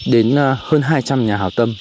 đến hơn hai trăm linh nhà hào tâm